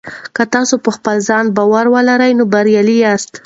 که تاسي په خپل ځان باور ولرئ نو بریالي یاست.